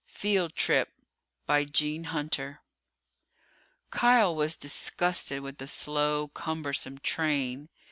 _ FIELD TRIP By Gene Hunter Kial was disgusted with the slow, cumbersome train.